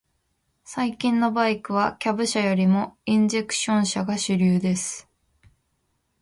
最近のバイクは、キャブ車よりもインジェクション車が主流です。